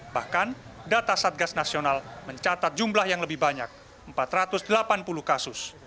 bahkan data satgas nasional mencatat jumlah yang lebih banyak empat ratus delapan puluh kasus